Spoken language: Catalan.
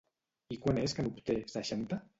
I quan és que n'obté seixanta?